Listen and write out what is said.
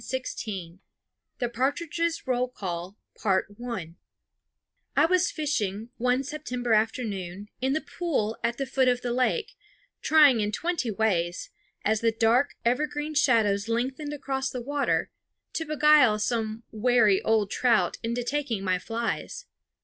The Partridges' Roll Call I was fishing, one September afternoon, in the pool at the foot of the lake, trying in twenty ways, as the dark evergreen shadows lengthened across the water, to beguile some wary old trout into taking my flies.